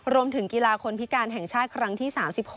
รวมถึงกีฬาคนพิการแห่งชาติครั้งที่๓๖